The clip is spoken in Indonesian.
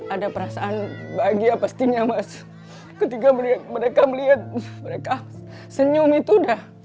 ada perasaan bahagia pastinya mas ketika mereka melihat mereka senyum itu udah